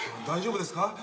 大丈夫ですか？